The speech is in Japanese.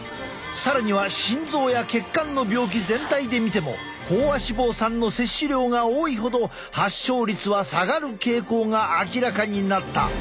更には心臓や血管の病気全体で見ても飽和脂肪酸の摂取量が多いほど発症率は下がる傾向が明らかになった。